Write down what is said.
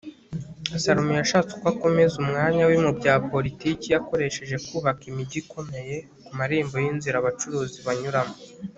salomo yashatse uko akomeza umwanya we mu bya politiki akoresheje kubaka imijyi ikomeye ku marembo y'inzira abacuruzi banyuramo